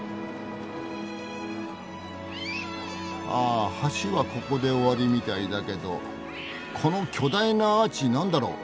あ橋はここで終わりみたいだけどこの巨大なアーチ何だろう？